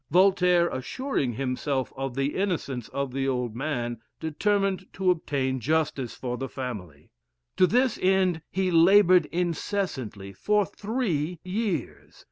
Voltaire, assuring himself of the innocence of the old man, determined to obtain justice for the family. To this end he labored incessantly for three years.